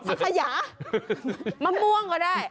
สังขยามะม่วงก็ได้